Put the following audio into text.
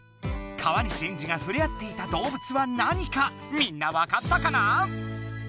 川西エンジがふれあっていた動物は何かみんなわかったかな？